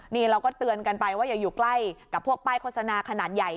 นี่เราก็เตือนกันไปว่าอย่าอยู่ใกล้กับพวกป้ายโฆษณาขนาดใหญ่